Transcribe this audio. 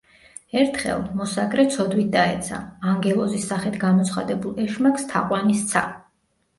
ერთხელ, მოსაგრე ცოდვით დაეცა: ანგელოზის სახით გამოცხადებულ ეშმაკს თაყვანი სცა.